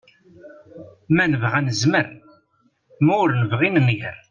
Ma nebɣa nezmer, ma ur nebɣi nenger.